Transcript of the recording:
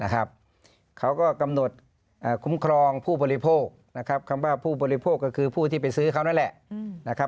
เขาก็กำหนดคุ้มครองผู้บริโภคคำว่าผู้บริโภคก็คือผู้ที่ไปซื้อเขานั่นแหละ